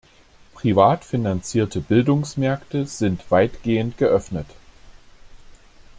Privat finanzierte Bildungsmärkte sind weitgehend geöffnet.